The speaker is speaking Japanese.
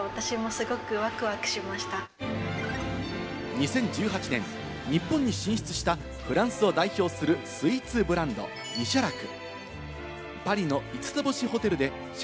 ２０１８年、日本に進出したフランスを代表するスイーツブランド・ミシャラク。